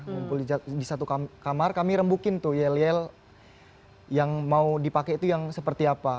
ngumpul di satu kamar kami rembukin tuh yel yel yang mau dipakai itu yang seperti apa